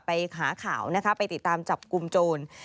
ไปหาข่าวนะคะไปติดตามจับกลุ่มโจร